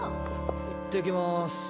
いってきます。